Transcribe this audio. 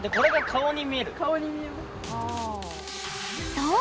そう！